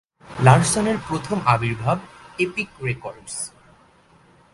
Larson এর প্রথম আবির্ভাব এপিক রেকর্ডস,